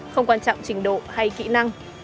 không quan trọng trình độ hay kỹ năng